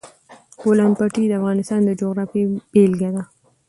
د بولان پټي د افغانستان د جغرافیې بېلګه ده.